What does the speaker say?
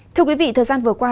thưa quý vị thời gian vừa qua